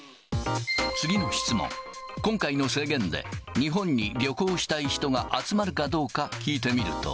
次の質問、今回の制限で、日本に旅行したい人が集まるかどうか聞いてみると。